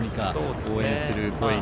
応援する声に。